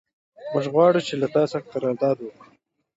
موږ غواړو چې له تا سره قرارداد وکړو.